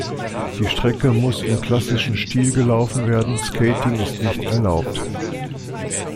Die Strecke muss im klassischen Stil gelaufen werden, Skating ist nicht erlaubt.